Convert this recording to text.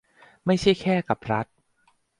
ไม่ใช่แค่กับรัฐ